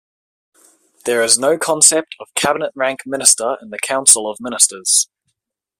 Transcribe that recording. There is no concept of cabinet rank minister in the council of ministers.